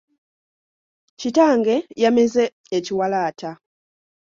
Kitange yameze ekiwalaata.